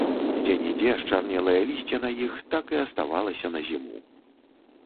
Дзе-нідзе счарнелае лісце на іх так і аставалася на зіму.